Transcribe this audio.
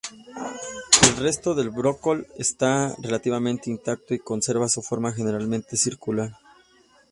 El resto del brocal está relativamente intacto, y conserva su forma generalmente circular.